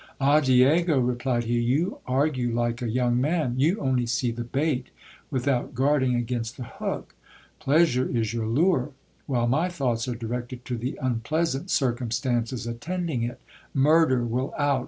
Ah ! Diego, replied he, you argue like a young man : you only see the bait, without guarding against the hook : plea sure is your lure ; while my thoughts are directed to the unpleasant circum stances attending it Murder will out.